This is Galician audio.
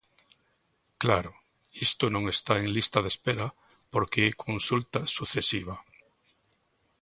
Claro, isto non está en lista de espera porque é consulta sucesiva.